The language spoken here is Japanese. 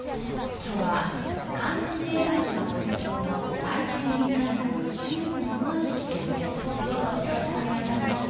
今日は感染制御学がご専門の愛知県立大学清水宣明教授です。